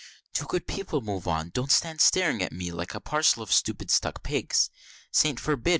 Do, good people, move on! don't stand staring at me like a parcel of stupid stuck pigs; Saints forbid!